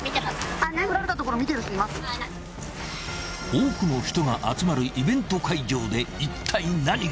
［多くの人が集まるイベント会場でいったい何が］